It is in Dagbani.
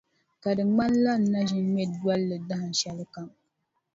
Ka di ŋmanila n na ʒi n-ŋme bolli dahinshɛli kam.